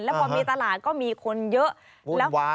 พอมีตลาดก็มีคนเยอะ